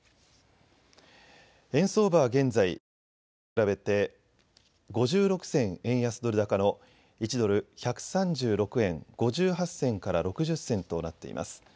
円相場は現在、きのうと比べて５６銭円安ドル高の１ドル１３６円５８銭から６０銭となっています。